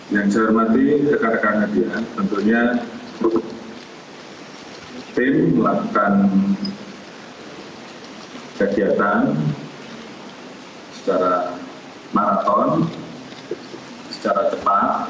yang saya hormati dekat dekat hadiah tentunya tim melakukan kegiatan secara maraton secara cepat